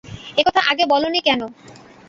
একথা আগে বলোনি কেন?